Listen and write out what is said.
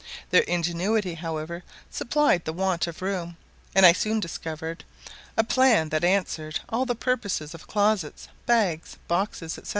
Their ingenuity, however, supplied the want of room, and I soon discovered a plan that answered all the purposes of closets, bags, boxes, &c.